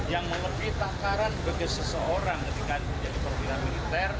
yang melebihi takaran bagi seseorang ketika menjadi perwira militer